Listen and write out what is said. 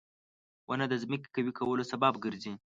• ونه د ځمکې قوي کولو سبب ګرځي.